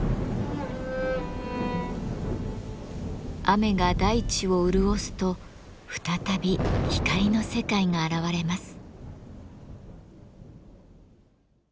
雨が大地を潤すと再び光の世界が現れます。